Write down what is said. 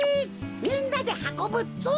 みんなではこぶぞ！